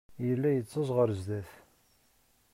Yella yettaẓ ɣer sdat.